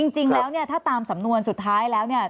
จริงแล้วเนี่ยถ้าตามสำนวนสุดท้ายแล้วเนี่ย